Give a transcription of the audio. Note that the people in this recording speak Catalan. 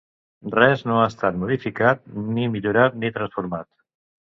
Res no ha estat modificat, ni millorat ni transformat.